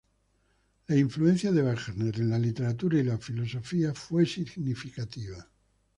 La influencia de Wagner en la literatura y la filosofía fue significativa.